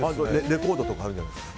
レコードとかあるんじゃないですか？